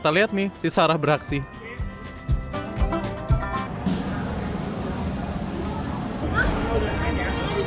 tapi itu baru pemanasan aja nah untuk